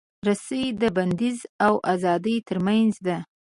رسۍ د بندیز او ازادۍ ترمنځ ده.